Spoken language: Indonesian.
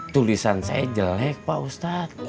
tulisan saya jelek pak ustadz